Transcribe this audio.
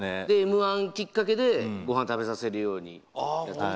で、「Ｍ‐１」きっかけでごはん食べさせるように。